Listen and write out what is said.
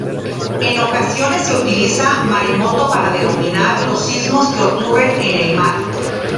En ocasiones se utiliza maremoto para denominar los sismos que ocurren en el mar.